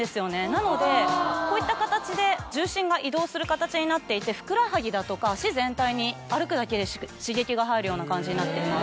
なのでこういった形で重心が移動する形になっていてふくらはぎだとか足全体に歩くだけで刺激が入るような感じになっています。